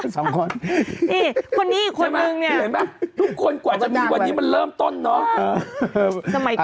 สามคนพี่เห็นไหมครับทุกคนกว่าจะมีวันนี้มันเริ่มต้นเนอะสมัยก่อน